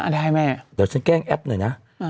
เดี๋ยวฉันแกล้งแอปหน่อยนะ